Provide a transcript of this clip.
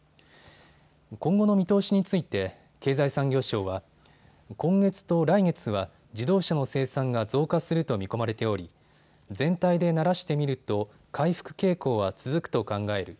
今後の見通しについて経済産業省は今月と来月は自動車の生産が増加すると見込まれており全体でならしてみると回復傾向は続くと考える。